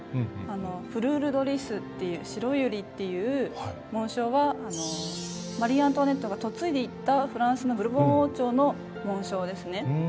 フルール・ド・リスっていう白百合っていう紋章はマリー・アントワネットが嫁いでいったフランスのブルボン王朝の紋章ですね。